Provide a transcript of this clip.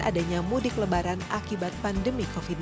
adanya mudik lebaran akibat pandemi covid sembilan belas